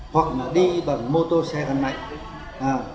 hoặc là đi bằng mô tô xe gắn mạnh